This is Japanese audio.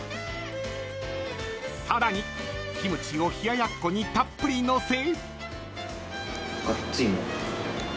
［さらにキムチを冷ややっこにたっぷりのせ］